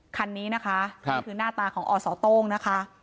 คันนี้นะคะครับนี่คือหน้าตาของอตนะคะ